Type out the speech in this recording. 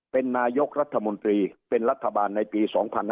เป็นนายกรัฐมนตรีเป็นรัฐบาลในปี๒๕๕๙